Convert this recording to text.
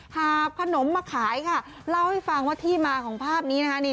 หาบขนมมาขายค่ะเล่าให้ฟังว่าที่มาของภาพนี้นะคะนี่